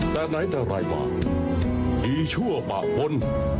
และไหนแต่ใหล่บากยี่ชั่วปากบน